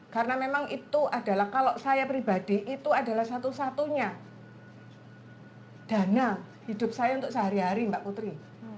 karena memang itu adalah kalau saya pribadi itu adalah satu satunya dana hidup saya untuk sehari hari mbak putri